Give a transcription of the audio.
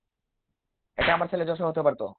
এটা আমার ছেলে যশও হতে পারতো।